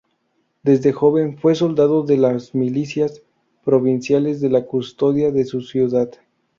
Desde joven fue soldado de las milicias provinciales de la custodia de su ciudad.